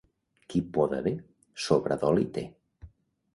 Qui poda bé, sobra d'oli té.